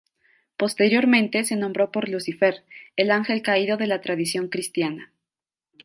Posteriormente se nombró por Lucifer, el ángel caído de la tradición cristiana.